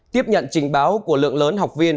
tiếp nhận trình báo của lượng lớn học viên